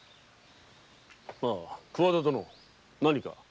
あ桑田殿何か？